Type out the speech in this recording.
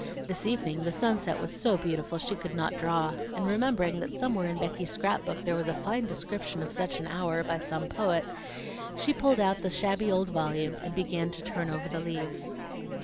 This evening the sunset was so beautiful she could not draw, and remembering that somewhere in Becky's scrap book there was a fine description of such an hour by some poet, she pulled out the shabby old volume, and began to turn over the leaves.